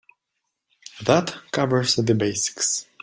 That covers the basics.